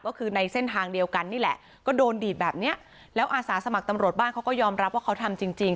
ก็คือในเส้นทางเดียวกันนี่แหละก็โดนดีดแบบเนี้ยแล้วอาสาสมัครตำรวจบ้านเขาก็ยอมรับว่าเขาทำจริงจริง